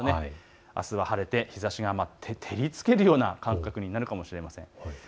あすは晴れて日ざしが照りつけるような感覚になるかもしれません。